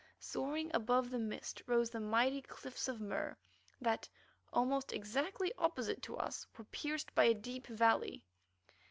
Soaring above the mist rose the mighty cliffs of Mur that, almost exactly opposite to us, were pierced by a deep valley.